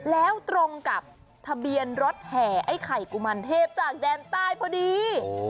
แล้วตรงกับทะเบียนรถแห่ไอ้ไข่กุมารเทพจากแดนใต้พอดี